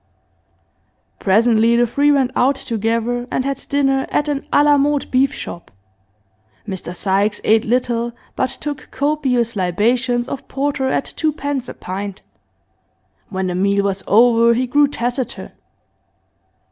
Presently the three went out together, and had dinner at an a la mode beef shop. Mr Sykes ate little, but took copious libations of porter at twopence a pint. When the meal was over he grew taciturn.